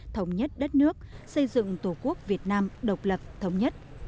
thống nhất đất nước xây dựng tổ quốc việt nam độc lập thống nhất